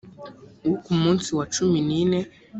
wo ku munsi wa cumi n ine